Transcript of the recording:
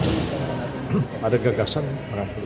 ini kan ada wacana menjadikan